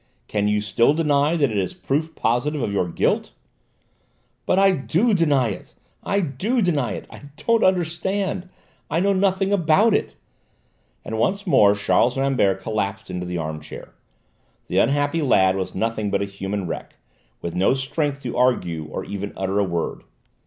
Can you still deny that it is proof positive of your guilt?" "But I do deny it, I do deny it! I don't understand! I know nothing about it!" and once more Charles Rambert collapsed into the arm chair; the unhappy lad was nothing but a human wreck, with no strength to argue or even utter a word.